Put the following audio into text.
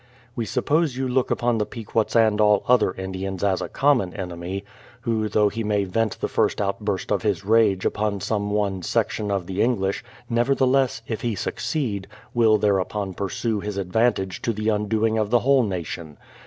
We suppose you look upon the Pequots and all other Indians as a common enemy, who though he may vent the first outburst of his rage upon some one section of the English, nevertheless, if he succeed, will thereupon pursue his advantage to the undoing of the w^hole nation.